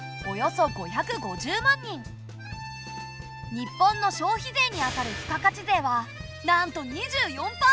日本の消費税にあたる付加価値税はなんと２４％！